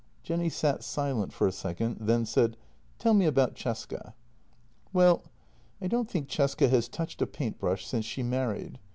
176 JENNY Jenny sat silent for a second, then said: "Tell me about Cesca." " Well, I don't think Cesca has touched a paint brush since she married.